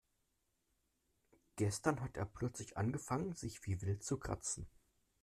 Gestern hat er plötzlich angefangen sich wie wild zu kratzen.